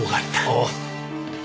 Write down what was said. おう。